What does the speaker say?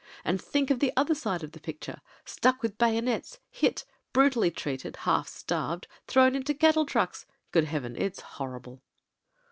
And think of the other side of the picture. Stuck with bayonets, hit, brutally treated, half starved, thrown into cattle trucks. Good Heaven ! it's horrible."